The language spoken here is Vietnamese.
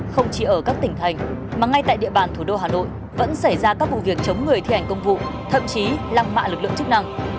không chỉ ở các tỉnh thành mà ngay tại địa bàn thủ đô hà nội vẫn xảy ra các vụ việc chống người thi hành công vụ thậm chí lăng mạ lực lượng chức năng